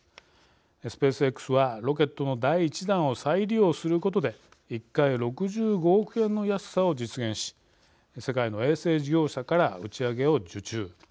スペースＸはロケットの第１段を再利用することで１回６５億円の安さを実現し世界の衛星事業者から打ち上げを受注。